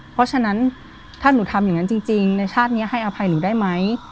เพราะฉะนั้นถ้าหนูทำอย่างนั้นจริงในชาตินี้ให้อภัยหนูได้ไหม